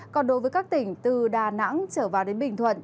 còn đối với các tỉnh từ đà nẵng trở vào đến bình thuận